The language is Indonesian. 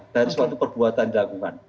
dari suatu perbuatan dilakukan